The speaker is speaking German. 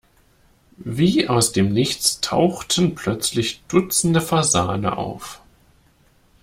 Wie aus dem Nichts tauchten plötzlich dutzende Fasane auf.